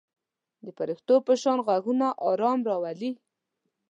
د پرښتو په شان غږونه آرام راولي.